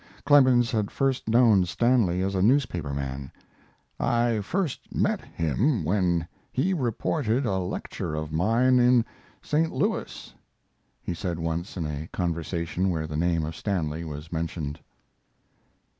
[Clemens had first known Stanley as a newspaper man. "I first met him when he reported a lecture of mine in St. Louis," he said once in a conversation where the name of Stanley was mentioned.